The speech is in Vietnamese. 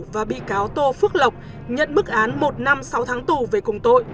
và bị cáo tô phước lộc nhận bức án một năm sáu tháng tù về cùng tội